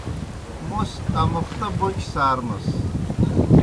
موْس امُختہ بوکیْ سارمَس۔